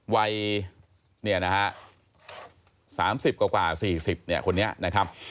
วัยเนี่ยนะฮะ๓๐กว่า๔๐เนี่ยคนนี้นะครับ